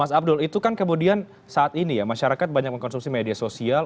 mas abdul itu kan kemudian saat ini ya masyarakat banyak mengkonsumsi media sosial